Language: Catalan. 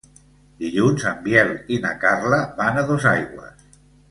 Dilluns en Biel i na Carla van a Dosaigües.